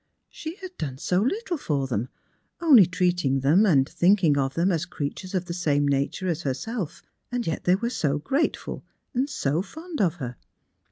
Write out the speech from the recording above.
She had done so little for them— only treating them M'd thinking of them as creatures of the same nature as herself — and yet they were so grateful, and so fond of her.